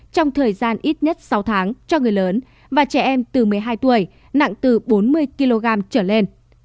trong thời gian ít nhất sáu tháng cho người lớn và trẻ em từ một mươi hai tuổi nặng từ bốn mươi kg trở lên